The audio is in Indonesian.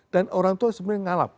dan orang tua sebenarnya ngalap